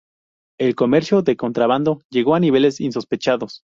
El comercio de contrabando llegó a niveles insospechados.